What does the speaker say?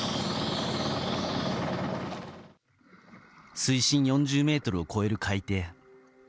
水深４０ｍを超える海底。